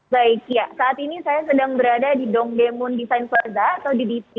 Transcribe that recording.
baik ya saat ini saya sedang berada di dongdemon design plaza atau di dp